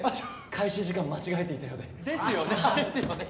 開始時間間違えていたようでですよねですよね